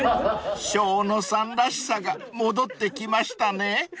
［生野さんらしさが戻ってきましたね］